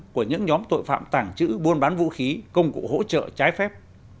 của những nhóm tội phạm tàng trữ buôn bán vũ khí công cụ hỗ trợ trái phép